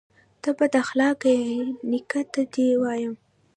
_ته بد اخلاقه يې، نيکه ته دې وايم.